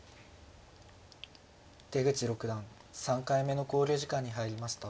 出口六段３回目の考慮時間に入りました。